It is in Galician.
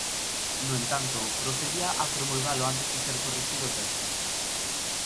No entanto, procedía a promulgalo antes de ser corrixido o texto.